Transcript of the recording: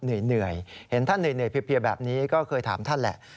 เหนื่อยเห็นท่านเหนื่อยเพียแบบนี้ก็เคยถามท่านแหละ